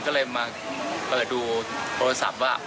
ก็เลยมาเปิดดูโทรศัพท์ว่า